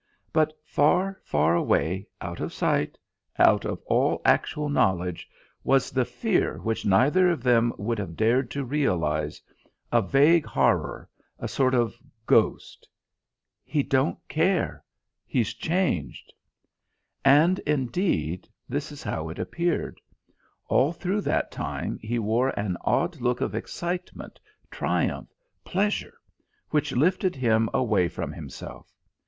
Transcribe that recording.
But far, far away, out of sight, out of all actual knowledge, was the fear which neither of them would have dared to realise, a vague horror, a sort of ghost.... "He don't care he's changed." And, indeed, this is how it appeared. All through that time he wore an odd look of excitement, triumph, pleasure, which lifted him away from himself.